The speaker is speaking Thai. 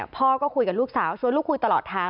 พ่อก็คุยกับลูกสาวชวนลูกคุยตลอดทาง